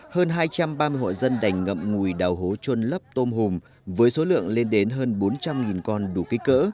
hơn hai trăm ba mươi hộ dân đành ngậm ngùi đào hố trôn lấp tôm hùm với số lượng lên đến hơn bốn trăm linh con đủ kích cỡ